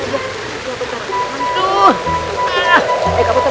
tio jangan dikentutin